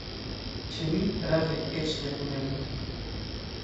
Ĉe ni, prave, eĉ ne punebla.